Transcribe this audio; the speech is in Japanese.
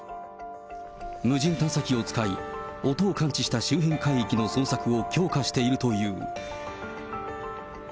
無人探査機を使い、音を感知した周辺海域の捜索を強化してという。